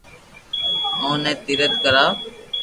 اوني بي تيرٿ ڪراوُ